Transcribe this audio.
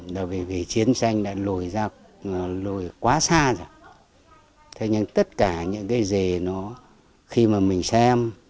là vì chiến tranh đã lùi ra lùi quá xa rồi thế nhưng tất cả những cái gì nó khi mà mình xem